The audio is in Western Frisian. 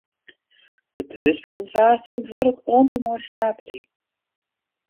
De beurs begjint woansdei en duorret oant en mei saterdei.